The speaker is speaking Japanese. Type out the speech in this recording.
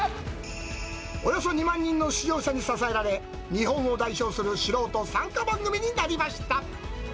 およそ２万人の出場者に支えられ、日本を代表する素人参加番組になりました。